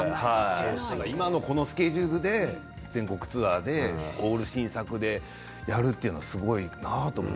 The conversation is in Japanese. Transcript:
今のこのスケジュールで全国ツアーでオール新作でやるというのはすごいなと思う。